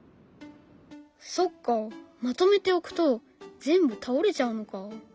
そっかまとめて置くと全部倒れちゃうのか。